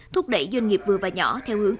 thúc đẩy doanh nghiệp vừa và nhỏ theo hướng